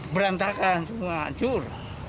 berantakan semua cur